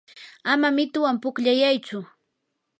ama mituwan pukllayaychu.